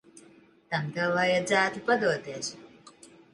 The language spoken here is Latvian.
Tam tev vajadzētu padoties.